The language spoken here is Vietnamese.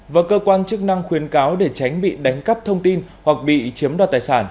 và cơ quan chức năng khuyến cáo để tránh bị đánh cắp thông tin hoặc bị chiếm đoạt tài sản